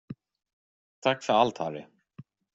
Tack för allt, Harry.